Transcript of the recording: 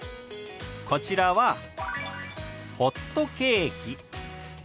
こちらは「ホットケーキ」。